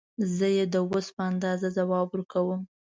زه یې د وس په اندازه ځواب ورکوم.